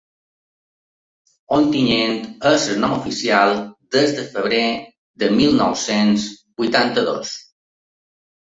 Ontinyent és el nom oficial des de febrer de mil nou-cents vuitanta-dos.